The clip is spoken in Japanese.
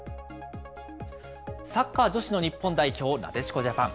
サッカー女子の日本代表、なでしこジャパン。